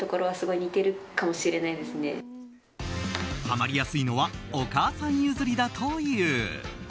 ハマりやすいのはお母さん譲りだという。